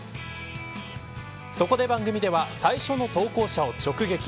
そこで番組では最初の投稿者を直撃。